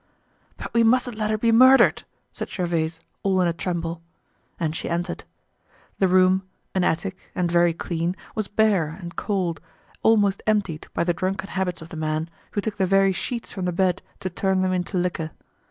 "But we mustn't let her be murdered!" said Gervaise, all in a tremble. And she entered. The room, an attic, and very clean, was bare and cold, almost emptied by the drunken habits of the man, who took the very sheets from the bed to turn them into liquor.